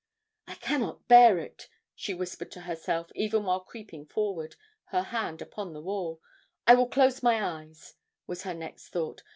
"I cannot bear it," she whispered to herself even while creeping forward, her hand upon the wall. "I will close my eyes" was her next thought.